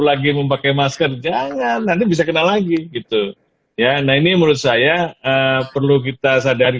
lagi memakai masker jangan nanti bisa kena lagi gitu ya nah ini menurut saya perlu kita sadari